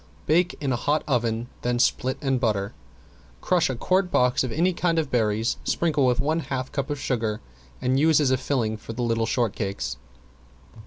Bake in a hot oven, then split and butter. Crush a quart box of any kind of berries, sprinkle with one half of cup of sugar and use as a filling for the little shortcakes.